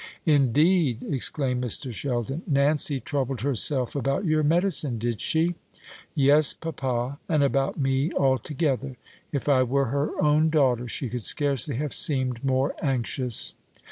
"Indeed!" exclaimed Mr. Sheldon. "Nancy troubled herself about your medicine, did she?" "Yes, papa; and about me altogether. If I were her own daughter she could scarcely have seemed more anxious."